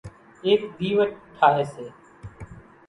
ايڪ ۮيوٽ ٺاۿي سي